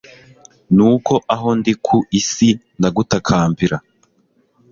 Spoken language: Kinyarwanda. nuko aho ndi ku isi ndagutakambira